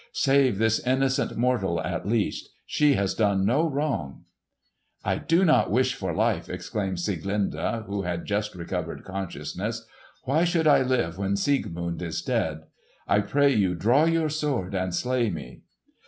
Save this innocent mortal, at least! She has done no wrong." "I do not wish for life!" exclaimed Sieglinde, who had just recovered consciousness. "Why should I live when Siegmund is dead? I pray you draw your sword and slay me!"